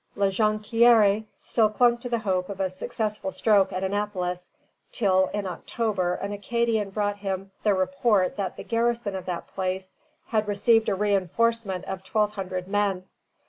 La Jonquière still clung to the hope of a successful stroke at Annapolis, till in October an Acadian brought him the report that the garrison of that place had received a reinforcement of twelve hundred men.